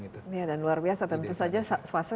dan luar biasa tentu saja swasta